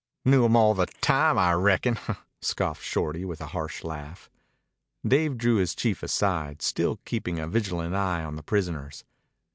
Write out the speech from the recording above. "Knew 'em all the time, I reckon," scoffed Shorty with a harsh laugh. Dave drew his chief aside, still keeping a vigilant eye on the prisoners.